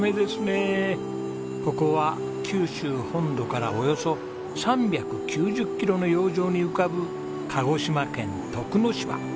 ここは九州本土からおよそ３９０キロの洋上に浮かぶ鹿児島県徳之島。